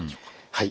はい。